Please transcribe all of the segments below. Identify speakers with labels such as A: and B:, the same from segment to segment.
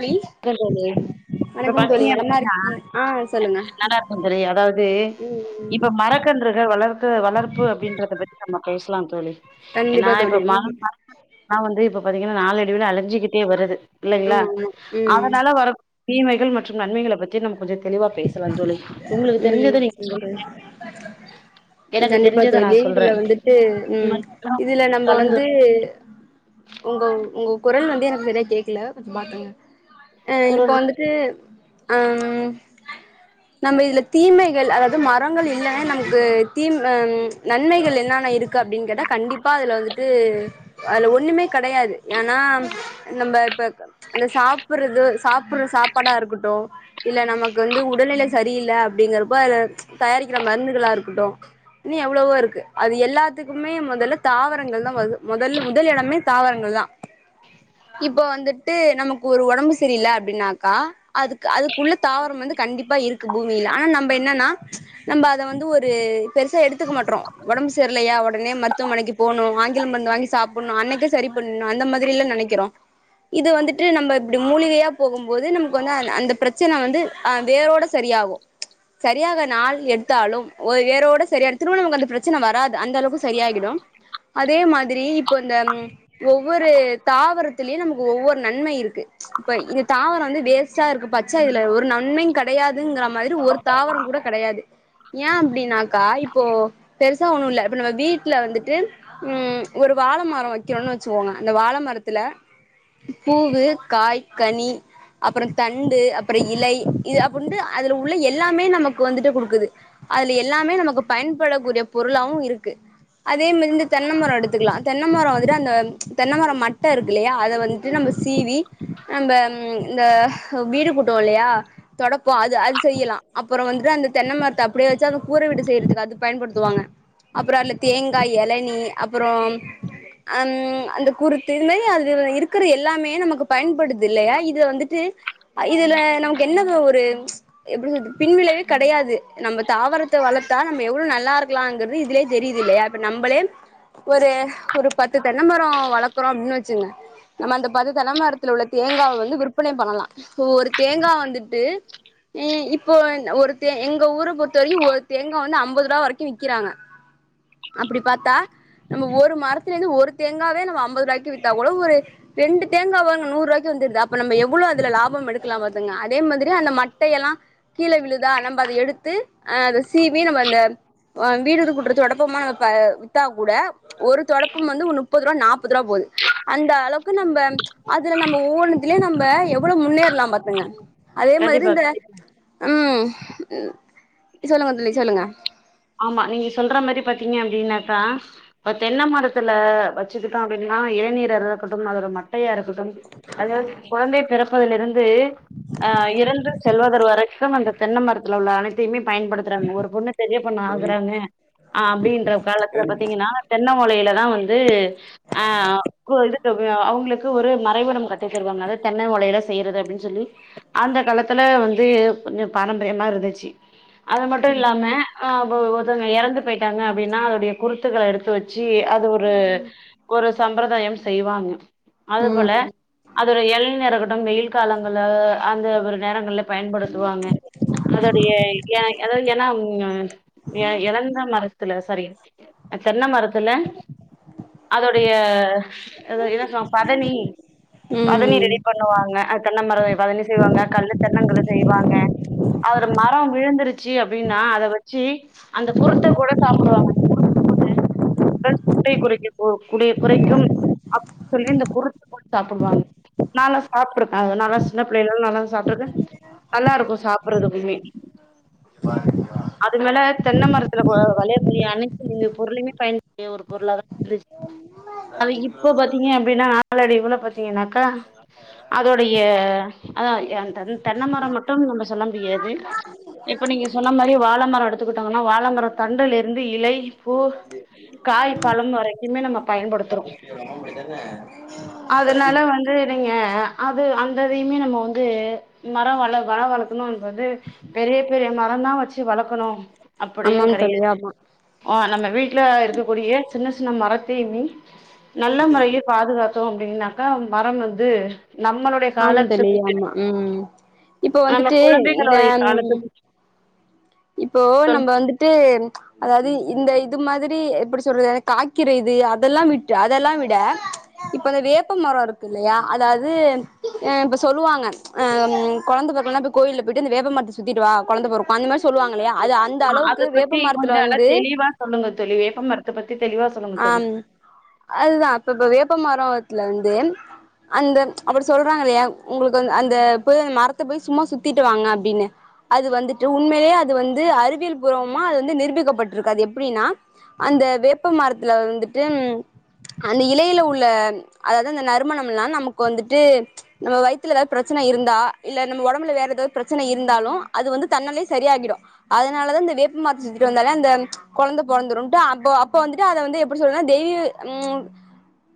A: தோழி
B: [unintelligible] இப்ப
A: வணக்கம் தோழி
B: பாத்திங்க
A: நலமா
B: அப்டினா
A: இருக்கீங் ஆ சொல்லுங்க
B: நல்லாருக்கோ தோழி அதாவ்து
A: ம் ம்
B: இப்ப மரக்கன்றுகள் வளர் து வளர்ப்பு அப்டின்றத பத்தி நம்ம பேசலாம் தோழி
A: கண்டிப்பா
B: ஏனா இப்ப
A: தோழி ம்
B: மரம் வள னா வந்து இப்ப பாத்திங்கனா நாளடைவுல அழிஞ்சிகிட்டே வருது இல்லைங்ளா
A: ஆமா ஆமா ம்
B: அதனால வரக் தீமைகள் மற்றும் நன்மைகள பத்தி நம்ம கொஞ்ச தெளிவா பேசலா தோழி உங்களுக்கு
A: ம்
B: தெரிஞ்சத நீங்க
A: சரி
B: சொல்லுங்க
A: தோழி கண்டிப்பா தோழி இதுல வந்துட்டு ம் இதுல நம்ப வந்து
B: கலந்துரை
A: உங்கோ உங்கோ குரல் வந்து எனக்கு சரியா கேக்குல கொஞ்ச பாத்துங்க அ இப்போ
B: குரல்
A: வந்துட்டு அம் நம்ம இதுல தீமைகள் அதாது மரங்கள் இல்லனா நமக்கு தீம் அ நன்மைகள் என்னான்ன இருக்கு அப்டின் கேட்டா கண்டிப்பா அதுல வந்துட்டு அதுல ஒண்ணுமே கெடையாது ஏனா நம்ப பக் அந்த சாப்புர்றது சாப்புர்ற சாப்பாடா இருக்கட்டு இல்ல நமக்கு வந்து உடல்நிலை சரியில்ல அப்டிங்கறப்போ அத தயாரிக்கிற மருந்துகளா இருக்கட்டு இன்னு எவ்ளவோ இருக்கு அது எல்லாத்துக்குமே மொதல்ல தாவரங்கள்தா மொ மொதல் முதல் இடமே தாவரங்கள் தா இப்ப வந்துட்டு நமக்கு ஒரு ஒடம்பு சரியில்ல அப்டினாக்கா அதுக் கு அதுக்குள்ள தாவரம் வந்து கண்டிப்பா இருக்கு பூமியில ஆனா நம்ப என்னனா நம்ப அத வந்து ஒரு பெருசா எடுத் துக்க மாட்றோ ஒடம்பு செர்லையா ஒ ஒடனே மருத்துவமனைக்கு போணு ஆங்கில மருந்து வாங்கி சாப்புடணு அன்னைக்கே சரி பண்ணிணு அந்த மாதிரிலா நெனைக்கறோ இது வந்துட்டு நம்ம இப்டி மூலிகையா போகும் போது நமக்கு வந்து அந் அந்த பிரச்சன வந்து அ வேரோட சரியாகு சரியாக நாள் எடுத்தாலும் ஒரு வேரோட சரியா திரும்ப நமக்கு அந்த பிரச்சன வராது அந்த அளவுக்கு சரியாகிடும் அதே மாதிரி இப்ப இந்த ஒவ்வொரு தாவரத்திலயு நமக்கு ஒவ்வொரு நன்மை இருக்கு இப்ப இந்த தாவர வந்து வேஸ்ட்டா இருக்கு பா ச்ச இதுல ஒரு நன்மையு கெடையாதுங்ற மாரி ஒரு தாவரம் கூட கெடையாது ஏ அப்டினாக்கா இப்போ பெருசா ஒன்னு இல்ல இப்ப நம்ம வீட்ல வந்துட்டு ம் ஒரு வாழ மர வெக்கறோன் வெச்சுகோங்க அந்த வாழ மரத்துல பூவு காய் கனி அப்புற தண்டு அப்புற இலை இது அப்டின்ட்டு அதுல உள்ள எல்லாமே நமக்கு வந்துட்டு குடுக்குது அதுல எல்லாமே நமக்கு பயன் படக்கூடிய பொருளாவு இருக்கு அதே மாரி இந்த தென்னைமர எடுத்துக்லா தென்னைமர வந்துட்டு அந்த தென்னைமர மட்டை இருக்கில்லையா அத வந்துட்டு நம்ப சீவி நம்ப இந்த வீடு கூட் ட்டுவோ இல்லையா தொடப்போ அது அது செய்யலா அப்புற வந்துட்டு அந்த தென்ன மரத்த அப்டியே வச்சு அந்த கூர வீடு செய்றதுக்கு அது பயன்படுத்துவாங்க அப்புற அந்த தேங்காய் எளநீ அப்பறம் அந் அந்த குருத்து இது மாரி அதுல இருக்கற எல்லாமே நமக்கு பயன்படுது தில்லையா இத வந்துட்டு ஐ இதுல நமக்கு என்னது ஒரு எப்டி சொல்து பின்விளைவே கெடையாது நம்ப தாவரத்த வளத்தா நம்ம எவ்ளு நல்லா இருக்கலாங்கிறது இதுலியே தெரிது இல்லையா இப்ப நம்பளே ஒரு ஒரு பத்து தென்ன மரோ வளக்குறோ அப்ன் வெச்சுக்ங்க நம்ம அந்த பத்து தென்ன மரத்துல உள்ள தேங்காவ வந்து விற்பனை பண்ணலா இப்ப ஒரு தேங்கா வந்துட்டு இ இப் போன் ஒரு தே எங்க ஊர பொறுத்த வரைக்கு ஒரு தேங்கா வந்து அம்பது ருவா வரைக்கு விக்கிறாங்க அப்பிடி பாத்தா நம்ம ஒரு மரத்துலிந்து ஒரு தேங்காவே நம்ம அம்பது ருவாய்க்கு வித்தா கூட ஒரு ரெண்டு தேங்கா வாங் நூர்ருவாய்க்கு வந்திடுது அப்ப நம்ப எவ்ளோ அதுல லா பம் எடுக்லாம் பாத்துக்ங்க அதே மாதிரி அந்த மட்டையெல்லா கீழ விழுதா நம்ப அத எடுத்து அ அத சீ வி நம்ப அந்த அ வீடுது கூட்ற தொடப்பமா நம இப்ப வித்தா கூட ஒரு தொடப்பம் வந்து நுப்புது ருவா நாப்பது ருவா போது அந்த அளவுக்கு நம்ப அதுல நம்ப ஒவ்வொன்னுத்துலியு நம்ப எவ்ளோ முன்னேற்லாம் பாத்துங்க அதே மாதிரி இந்த
B: கண்டிப்பா
A: ம் ம் சொல்லுங்க தோழி சொல்லுங்க
B: ஆமா நீங்க சொல்ற மாரி பாத்தீங்க அப்டின்னாக்கா இப்ப தென்ன மரத்துல வச்சிகிட்டோ அப்டின்னா அ இளநீரா ரக்கட்டும் அதோட மட்டையாரு [unintelligible] அதாவ்து குழந்தை பிறப்பதிலிருந்து அ இறந்து செல்வதர் வரை க்கும் அந்த தென்ன மரத்துல உள்ள அனைத்தையுமே பயன்படுத்துறாங்க ஒரு பொண்ணு பெரிய பொண்ணு ஆகுறாங்க அ அப்டின்ற காலத்துல பாத்திங்கன்னா தென்ன ஓலையில தா வந்து அ கு இதுக்கு [unintelligible] அவுங்குளுக்கு ஒரு மறைவிடம் க [unintelligible] அதாவ் தென்னை ஓலையில செய்யறது அப்டின் சொல்லி அந்த காலத்துல வந்து கொஞ்சம் பாரம்பரியமா இருந்துச்சி அது மட்டு இல்லாம அ இபோ ஒ ஒருத்தவுங்க எறந்து போயிட்டாங்க அப்டினா அதுடைய குருத்துகள எடு த்து வெச்சி அது ஒரு ஒரு சம்பிரதாயம் செய்வாங்க அது போல
A: ம்
B: அது ஒரு எள்நியாருக்கட்டும் வெயில் காலங்கள்ல அந்த ஒரு நேரங்கள்ல பயன்படுத்துவாங்க அதுடைய ஏ அதாவுது ஏனா ம் அ எ எழந்த ம ரத்துல சாரி அ தென்ன மரத்துல அதொடைய அது என்ன சொலாங் பதனி பதனி
A: ம்
B: ரெடி பண்ணுவாங்க அ தென்ன மர பதனி செய்வாங்க கல்லு தென்னங்கல்லு செய்வாங்க அதோட மரோ விழுந்திருச்சி அப்டின்னா அத வ இ அந்த குருத்த கூட சாப்புடுவாங்க அந்த குருத்த கூட [inaudible] ட்டை குறைக்க போ குடி குறைக்கும் [inaudible] சொல்லிதா இந்த குரு [inaudible] கூட சாப்டுவாங் நால்லா சாப்ட்ருக்கே அது நாலா சின்ன பிள்ளைல எல்லா நல்லா சாப்ட்ருக்கே நல்லாருக்கு சாப்பறதுக்குமே
A: பா
B: அது மேல தென்ன மரத்துல கொ வளையக்கூய அனைத்து பொருளிமே பயன் [inaudible] ஒரு பொருளாதா [inaudible] அது இப்போ பாத்தீங்க அப்டினா [inaudible] இவள பாத்திங்கனாக்கா அதோடிய அதா எ தன் தென்ன மரோ மட்டும் நம்ப சொல்ல முடியாது இப்ப நீங்க சொன்னா மாரி வாழ மரோ எடுத்துக்கிட்டாங்கன்னா வாழமரோ தண்டுல இருந்து இலை பூ காய் பழம் வரைக்குமே நம்ம பயன்படுத்துறோ அதுனால வந்து நீங்க அது அந்த இதையுமே நம்மோ வந்து மரோ வள வன வள இன்னோன் வந்து பெரிய பெரிய மரந்தா வச்சி வள க்கணு அப்படின்
A: ஆமாங் தோழி
B: கெடையாது
A: ஆமா
B: உ நம்ம வீ ட்ல இருக்கக்கூடிய சின்ன சின்ன மரத்தியுமே நல்ல முறையி பாதுகாத்தோ அப்டின்னா க்கா மரம் வந்து நம்மளுடைய காலத்துக்கு [inaudible]
A: இப்ப
B: நம்ம
A: வந்துட்டு
B: குழந்தைகளுடைய
A: நம்
B: காலத்துக்கு
A: இப்போ நம்ம வந்துட்டு அதாவுது இந்த இது மாதிரி எப்பிடி சொல்றது என காய்க்கிற இது அதெல்லா விட்டு அதெல்லா விட இப்ப இந்த வேப்ப மரோ இருக்கில்லையா அதாவது அ இப்ப சொல்லுவாங்க அ கொழந்த பொறக்குன்னா போய் கோயில்ல போய்ட்டு இந்த வேப்ப மரத்த சுத்திட்டு வா கொழந்த பொறக்கு அந்த மாரி சொல்லுவாங்கில்லயா
B: ஆ அத பத்தி கொஞ்சு நல்லா தெளிவா சொல்லுங்க தோழி வேப்ப மரத்த பத்தி தெளிவா சொ
A: ஆம் அதுதா இப்ப இப்ப வேப்ப மரோத்துல வந்து அந்த அப்படி சொல்றாங்க இல்லையா உங்களுக்கு வந் அந்த பு மரத்த போய் சும்மா சுத்திட்டு வாங்க அப்டினு அது வந்துட்டு உண்மைல்யே அது வந்து அறிவியல் பூர்வமா அது வந்து நிரூபிக்கப்பட்டிருக் அது எப்டீனா அந்த வேப்ப மரத்துல வந்துட்டு ம் அந்த இலையில உள்ள அதாவது அந்த நறுமணம்லா நமக்கு வந்துட்டு நம்ம வயித்துல எதாவ்து ப்ரெச்ச ன இருந்தா இல்ல நம்ம ஒடம்புல வேற எதாத் ப்ரெச்சன இருந்தாலு அது வந்து தன்னாலே சரியாகிடு அதனால தா இந்த வேப்ப மர்த்த சுத்திட்டு வந்தாலே அந்த ம் கொழந்த பொறந்துறுந்ட்டு அப்போ இப்போ வந்துட்டு அத வந்து எப்படி சொல்றன் தெய்வீ ம்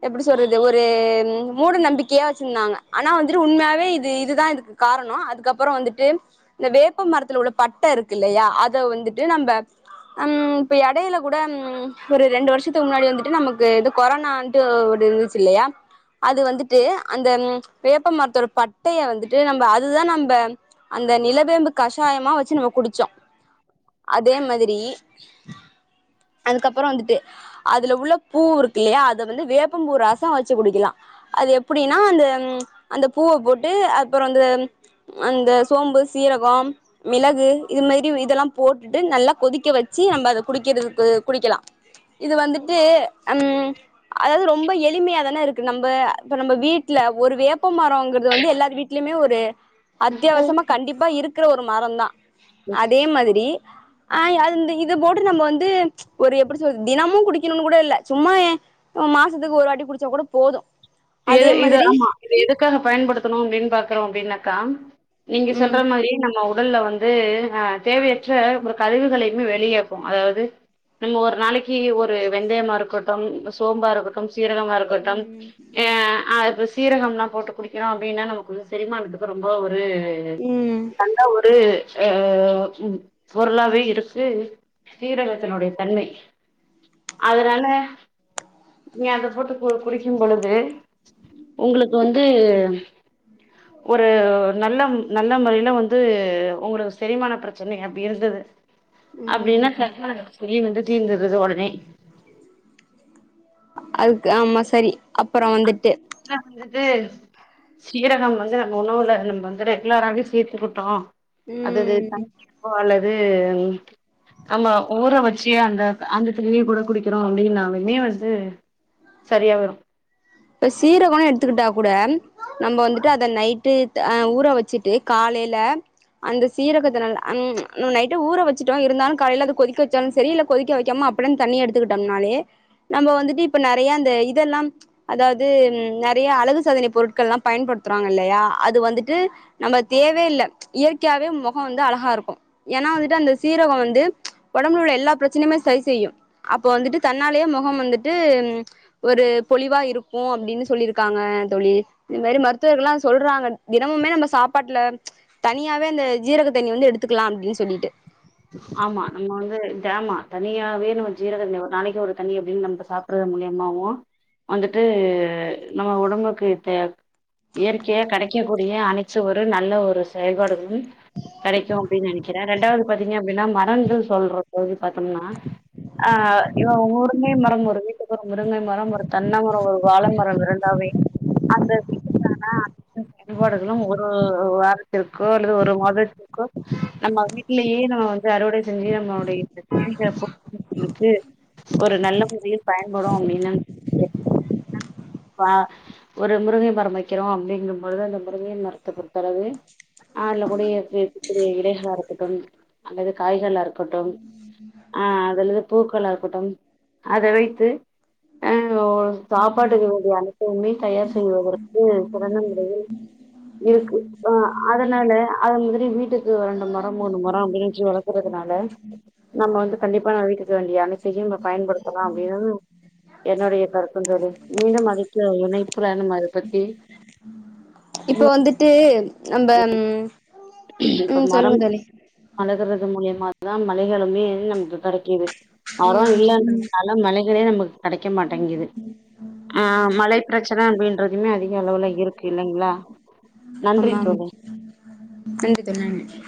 A: எப்படி சொல்றது ஒரு ம் மூட நம்பிக்கியே வச்சிர்ந்தாங்க ஆனா வந்துட்டு உண்மையாவே இது இதுதா இதுக்கு காரணோ அதுக்கப்புறோ வந்துட்டு இந்த வேப்ப மரத்துல உள்ள பட்ட இருக்கில்லையா அத வந்துட்டு நம்ப அம் இப்ப எடையில கூட ம் ஒரு ரெண்டு வருஷத்துக்கு முன்னாடி வந்துட்டு நமக்கு இது கொரோனான்ட்டு ஒரு இந்துச்சில்லையா அது வந்துட்டு அந்த வேப்ப மரத்தோட பட்டைய வந்துட்டு நம்ப அதுதா நம்ப அ இந்த நிலவேம்பு கஷாயமா வச்சு நம்ம குடிச்சோ அதே மாதிரி அதுக்கப் அப்புற வந்துட்டு அதுல உள்ள பூ இருக்கு இல்லையா அத வந்து வேப்பம் பூ ராசோ வச்சு குடிக்கிலா அது எப்படீனா அந்த அந்த பூவ போட்டு அப்புறோ அந்த அந்த சோம்பு சீரகம் மிளகு இது மாரி இதெல்லாம் போட்டுட்டு நல்லா கொதிக்க வெச் சி நம்ப அத குடிக்கிறதுக்கு குடிக்கலா இது வந்துட்டு ம் அதாவ்து ரொம்ப எளிமியா தானே இருக்கு நம்ப இப்ப நம்ப வீ வீட்ல ஒரு வேப்ப மரோங்கிற்து வந்து எல்லாரு வீட்லயுமே ஒரு அத்தியாவசமா கண்டிப்பா இருக்கற ஒரு மரந்தா அதே மாதிரி ஆ அந் இது போட்டு நம்ப வந்து ஒரு எப்படி சொல் தினமு குடிக்கணுனு கூட இல்ல சும்மா எ மாசத்துக்கு ஒரு வாட்டி குடிச்சா கூட போது
B: எது
A: அதே
B: இது
A: மாதிரி
B: ஆமா இது எதுக்காக பயன்படுத்தணு அப்டின் பாக்குறோ அப்டின்னாக்கா நீங்க சொல்ற
A: ம்
B: மாரி நம்மோ முதல்ல வந்து அ தேவையற்ற ஒரு கழிவுகளையுமே வெளியேக்கு அதாவது நம்ம ஒரு நாளைக்கி ஒரு வெந்தயமா இருக்கட்டும் சோம்பா இருக்கட்டும் சீரகமா இருக்கட்டும்
A: ம்
B: அ அ இப்ப சீரகம்லா போட்டு குடிக்கிறோ அப்டீனா நமக்கு செரிமானத்துக்கு ரொம்போ ஒ ரு
A: ம்
B: நல்லா ஒரு அ உ பொருளாவே இருக்கு சீரகத்தனுடய தன்மை அதனால நீ அத போட்டு கு குடிக்கும்பொழு து உங்களுக்கு வந்து ஒரு நல்ல ம் நல்ல முறையில வந்து உங்களுக்கு செரிமான ப்ரெச்சனை அப்டி இருந்தது அப்டின்னா
A: ம்
B: [unintelligible] சொல்லி வந்து தீர்ந்திறது ஒடனே
A: அதுக்கு ஆமா சரி அப்பறோ வந்துட்டு
B: [inaudible] வந்துட்டு சீரகம் வந்து நம்ம உணவுல நம்ம வந்துட்டு ரெகுலராகவே சேர்த்துக்கிட்டோ அதது
A: ம்
B: தங் [unintelligible] லது ஆமா உற வச்சி அந்த அந்த தண்ணிய கூட குடிக்கிறோ அப்டி நாலுமே வந்து சரியா வரு
A: இப்ப சீரகோன் எடுத்துக்கிட்டா கூட ம் நம்ம வந்துட்டு அத நைட்டு அ ஊற வச்சுட்டு காலையில அந்த சீரகத்த ந ம் நம்ம நைட்டே ஊற வச்சுட்டோ இருந்தாலு காலைய அது கொதிக்க வச்சாலு செரி இல்ல கொதிக்க வெக்காம அப்பட அந் தண்ணி எடுத்துக்கிட்டோனாலே நம்ம வந்துட்டு இப்ப நெறைய அந்த இதெல்லாம் அதாவது நெறைய அழகு சாதனை பொருட்களல்லா பயன்படுத்துறாங்கில்லையா அது வந்துட்டு நம்ப தே தேவ்யே இல்ல இயற்கையாவே மொகோ வந்து அழகாருக்கு ஏனா வந்துட்டு அந்த சீரகோ வந்து ஒடம்ப்லுல்ல எல் லா ப்ரெச்சனைய்மே சரி செய்யு அப்ப வந்துட்டு தன்னாலே மொகம் வந்துட்டு ம் ஒரு பொலிவா இரு ப்போ அப்டின்னு சொல்லியிருக்காங்க தோழி இது மாரி மருத்துவர்கல்லாம் சொல்றாங்க தினமுமே நம்ம சாப்பாட்டுல தனியாவே அந்த சீரக தண்ணி வந்து எடுத்துக்கலா அப்டின்னு சொல்லிட்டு
B: ஆமா நம்ம வந்து ஆமா தனியாவே நம்ம ஜீரக ஒரு நாளைக்கு ஒரு தண்ணி அப்டின்னு நம்ம சாப்பிடுற மூலியமாவும் வந்துட்டு நம்ம உடம்புக்கு தேவ இயற்கையா கிடைக்கக்கூடிய அணைச்சு ஒரு நல்ல ஒரு செயல்பாடுகளும் கிடைக்கு அப்டின்னு நினைக்கிறே ரெண்டாவது பாத்தீங்க அப்டின்னா மரங்கள் சொல்றோ தோழி பாத்தம்னா அஹ் இவ ஊ முருங்கை மரம் ஒரு வீட்டுக்கு முருங்கை மரம் ஒரு தென்னை மரம் ஒரு வாழை மரம் இருந்தாவே அந்த [unintelligible] பயன்பாடுகளும் ஒரு வாரத்திற்கோ அல்லது ஒரு மாதத்திற்கோ நம்ம வீட்டு இல்லையே நம்ம வந்து அறுவடை செஞ்சு நம்மளுடைய [unintelligible] ஒரு நல்ல முறையில் பயன்படும் அப்டின்னு ஒரு முருங்கை மரம் வைக்கிறோ அப்டிங்கும்பொழுது அந்த முருங்கை மரத்தை பொறுத்தளவு அதுல [unintelligible] கூடிய இருக்க கூடிய இலைகளா இருக்கட்டும் அல்லது காய்களா இருக்கட்டும் அஹ் அல்லது பூக்களா இருக்கட்டும் அத வைத்து அஹ் சாப்பாட்டுக்கு வேண்டிய அனைத்துமே தயார் செய்வதற்கு சிறந்த முறையில் இருக்கு அஹ் அதனால அது மாரி வீட்டுக்கு வேண்டு ஆ மூணு மரம் வச்சி வளக்குறதுனால நம்ம வந்து கண்டிப்பா நம்ம வீட்டுக்கு வேண்டிய அனைத்தத்தையும் நம்ம பயன்படுத்தலா அப்டின்னு என்னுடைய கருத்தும் தோழி மீண்டும் அழைக்கிறேன் இனைப்புல நம்ம அத பத்தி
A: இப்போ
B: தெளிவா
A: வந்துட்டு நம்ப
B: இப்ப
A: ம்
B: மரம்
A: சொல்லுங்க தோழி
B: வளக்குறது மூலியமா அதுதா மழைகளுமே நமக்கு கிடைக்குது மரம்
A: ம்
B: இல்லைன்னு நல்ல மழைகளே நமக்கு கிடைக்க மாட்டேங்குது அஹ் மழை பிரச்சனை அப்டின்றதுமே அதிக அளவுல இருக்கு இல்லைங்களா நன்றி தோழி
A: சேரிங்க தோழி நன்றி